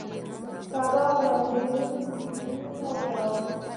تواب وویل نجلۍ مري وینه ودروم.